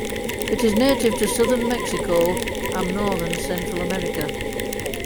It is native to southern Mexico and northern Central America.